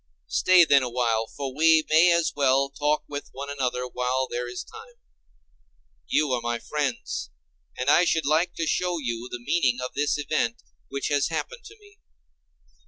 Stay then awhile, for we may as well talk with one another while there is time. You are my friends, and I should like to show you the meaning of this event which has happened to me.